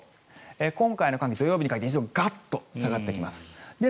今回の寒気、土曜日にかけてガッと下がってきます。